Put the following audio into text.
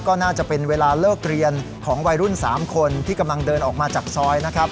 ก็น่าจะเป็นเวลาเลิกเรียนของวัยรุ่น๓คนที่กำลังเดินออกมาจากซอยนะครับ